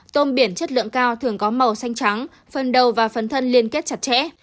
tôm biển chất lượng cao thường có màu xanh trắng phần đầu và phấn thân liên kết chặt chẽ